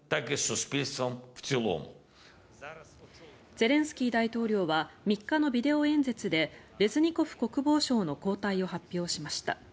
ゼレンスキー大統領は３日のビデオ演説でレズニコフ国防相の交代を発表しました。